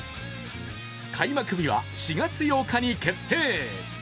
開幕日は４月８日に決定。